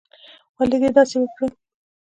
ولې دې داسې وکړل؟